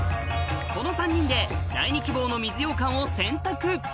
この３人で第２希望の水ようかんを選択